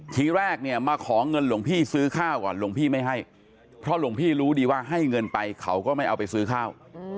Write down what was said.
ทีแรกเนี่ยมาขอเงินหลวงพี่ซื้อข้าวก่อนหลวงพี่ไม่ให้เพราะหลวงพี่รู้ดีว่าให้เงินไปเขาก็ไม่เอาไปซื้อข้าว